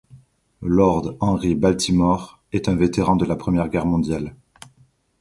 Lord Henry Baltimore est un vétéran de la Première Guerre Mondiale.